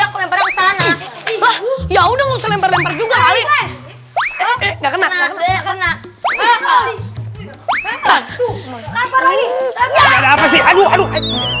aku lempar sana ya udah usah lempar lempar juga kali enggak kena kena kena kena